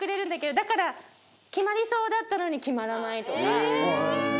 だから決まりそうだったのに決まらないとか。